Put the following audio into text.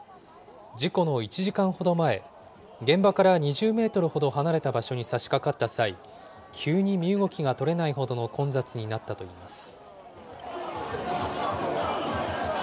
事故の１時間ほど前、現場から２０メートルほど離れた場所にさしかかった際、急に身動きが取れないほどの混雑になったといいます。